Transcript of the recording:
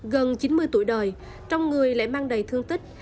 gần chín mươi tuổi đời trong người lại mang đầy thương tích